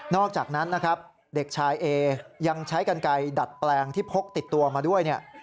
อกจากนั้นนะครับเด็กชายเอยังใช้กันไกลดัดแปลงที่พกติดตัวมาด้วยเนี่ย